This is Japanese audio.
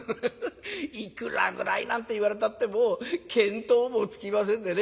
いくらぐらいなんて言われたってもう見当もつきませんでね。